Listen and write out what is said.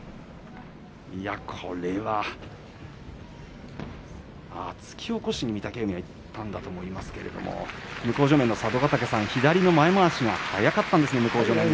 これは御嶽海突き起こしにいったんだと思いますけれども向正面の佐渡ヶ嶽さん左上手速かったですね。